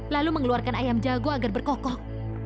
lalu mengeluarkan ayam jago agar berkokoh